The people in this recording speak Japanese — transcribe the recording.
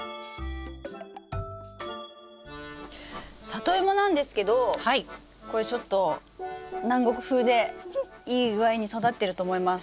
サトイモなんですけどこれちょっと南国風でいい具合に育ってると思います。